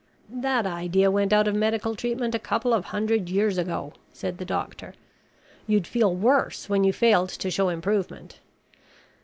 "That idea went out of medical treatment a couple of hundred years ago," said the doctor. "You'd feel worse when you failed to show improvement.